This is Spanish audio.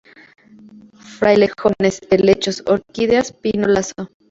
Frailejones, helechos, orquídeas, pino laso.